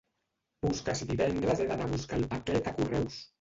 Busca si divendres he d'anar a buscar el paquet a correus.